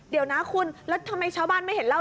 เดี๋ยวนะคุณแล้วทำไมชาวบ้านไม่เห็นเหล้า